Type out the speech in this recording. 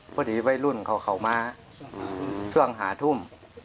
เพื่อที่วัยรุ่นเขาเข้ามาส่วนหาทุ่ม